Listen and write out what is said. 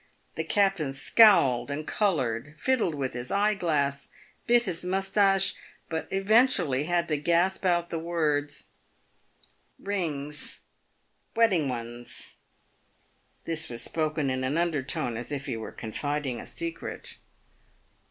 The captain scowled and coloured, fiddled with his eye glass, and bit his moustache, but eventually had to gasp out the words, "Rings — wedding ones." This was spoken in an under tone, as if he were confiding a secret.